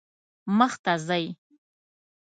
مخ ته ځئ